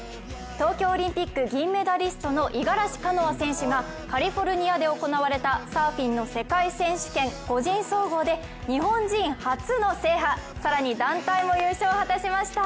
東京オリンピック銀メダリストの五十嵐カノア選手がカリフォルニアで行われたサーフィンの世界選手権個人総合で日本人初の制覇、更に団体も優勝を果たしました。